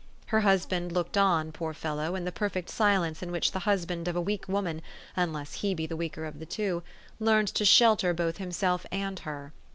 Her husband looked on, poor fellow, in the perfect silence in which the husband of a weak woman, unless he be the weaker of the two, learns to shelter both himself and her.